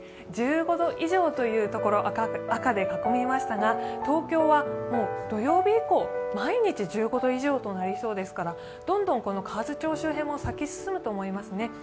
１５度以上という所、赤で囲みましたが東京はもう土曜日以降、毎日１５度以上となりそうですからどんどん河津町周辺も咲き進むと思いますね。